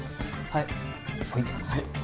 はい。